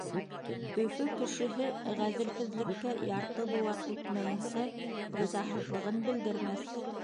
Өфө кешеһе ғәҙелһеҙлеккә ярты быуат үтмәйенсә ризаһыҙлығын белдермәҫ.